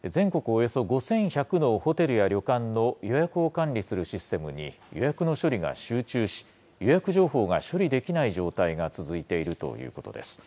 およそ５１００のホテルや旅館の予約を管理するシステムに、予約の処理が集中し、予約情報が処理できない状態が続いているということです。